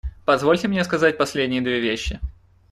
Позвольте мне сказать последние две вещи.